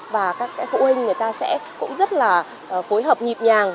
và các phụ huynh người ta sẽ cũng rất là phối hợp nhịp nhàng